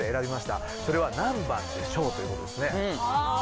それは何番でしょう？という事ですね。